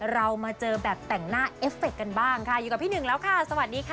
เรามาเจอแบบแต่งหน้าเอฟเฟคกันบ้างค่ะอยู่กับพี่หนึ่งแล้วค่ะสวัสดีค่ะ